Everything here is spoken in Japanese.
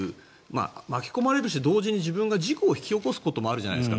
巻き込まれるし同時に自分が事故を引き起こすこともあるじゃないですか